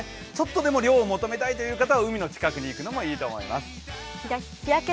ちょっとでも涼を求めたいという方は海の近くに行くのもいいと思います。